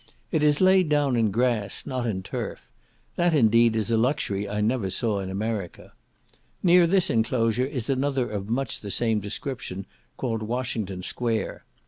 It is laid down in grass, not in turf; that, indeed, is a luxury I never saw in America. Near this enclosure is another of much the same description, called Washington Square.